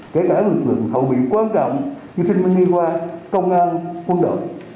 kể cả lực lượng hậu bị quan trọng như sinh viên nghi hoa công an quân đội